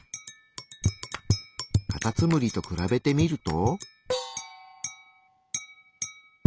カタツムリと比べてみると。